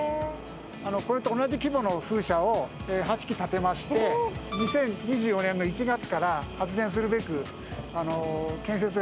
これと同じ規模の風車を８基建てまして２０２４年の１月から発電するべく建設が進められております。